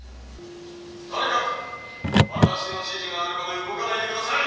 とにかく私の指示があるまで動かないで下さい！」。